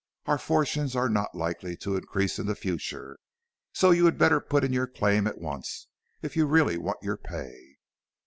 Our fortunes are not likely to increase in the future, so you had better put in your claim at once, if you really want your pay."